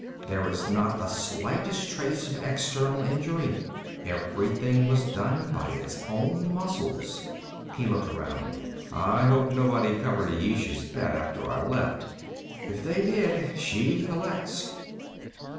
There is not the slightest trace of external injury. Everything was done by its own muscles." He looked around. "I hope nobody covered Ayesha's bet, after I left. If they did, she collects.